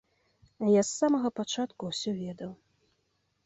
Я з самага пачатку ўсё ведаў.